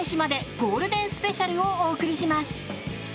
ゴールデンスペシャルをお送りします。